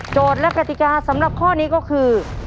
และกติกาสำหรับข้อนี้ก็คือ